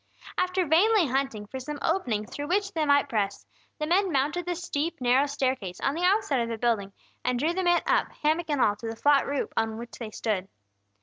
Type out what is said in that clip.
After vainly hunting for some opening through which they might press, the men mounted the steep, narrow staircase on the outside of the building, and drew the man up, hammock and all, to the flat roof on which they stood.